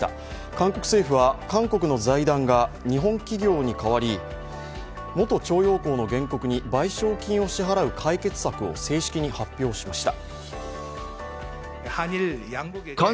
韓国政府は韓国の財団が日本企業に代わり元徴用工の原告に賠償金を支払う解決策を正式に発表しました。